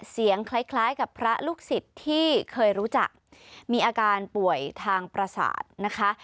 คล้ายคล้ายกับพระลูกศิษย์ที่เคยรู้จักมีอาการป่วยทางประสาทนะคะ